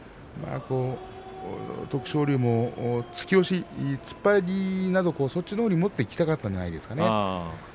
徳勝龍も突き押し、突っ張りなどそちらのほうに持っていきたかったんじゃないでしょうかね。